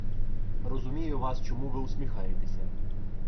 — Розумію вас, чому ви усміхаєтеся.